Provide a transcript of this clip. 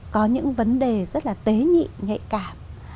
có những vấn đề rất là tế nhị nhạy cảm